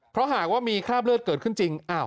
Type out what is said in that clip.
เพราะหากว่ามีคราบเลือดเกิดขึ้นจริง